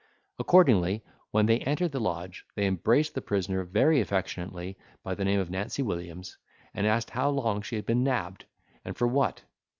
Accordingly, when they entered the lodge, they embraced the prisoner very affectionately by the name of Nancy Williams, and asked how long she had been nabbed, and for what?